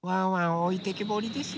おいてけぼりですよ。